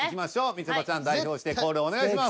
みちょぱちゃん代表してコールお願いします。